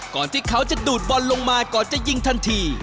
ที่เขาจะดูดบอลลงมาก่อนจะยิงทันที